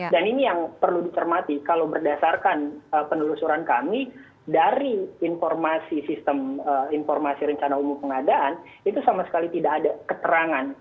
dan ini yang perlu dicermati kalau berdasarkan penelusuran kami dari informasi sistem informasi rencana umum pengadaan itu sama sekali tidak ada keterangan